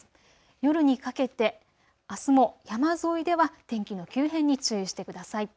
夜にかけてあすも山沿いでは天気の急変に注意してください。